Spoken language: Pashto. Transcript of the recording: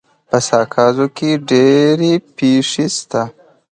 په ساکزو کي ډيري پښي سته.